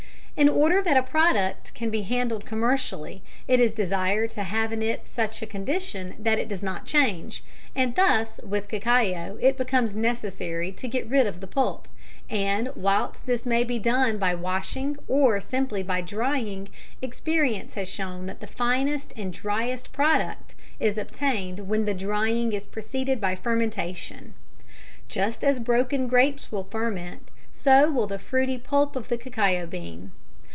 In order that a product can be handled commercially it is desirable to have it in such a condition that it does not change, and thus with cacao it becomes necessary to get rid of the pulp, and, whilst this may be done by washing or simply by drying, experience has shown that the finest and driest product is obtained when the drying is preceded by fermentation. Just as broken grapes will ferment, so will the fruity pulp of the cacao bean.